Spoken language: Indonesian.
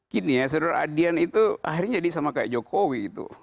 gini ya saudara adian itu akhirnya jadi sama kayak jokowi itu